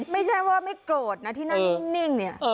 ไม่ใช่ว่าไม่โกรธนะที่นั่งนิ่งเนี่ย